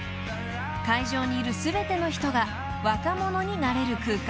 ［会場にいる全ての人が若者になれる空間］